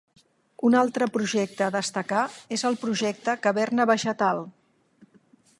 Un altre projecte a destacar és el projecte Caverna Vegetal.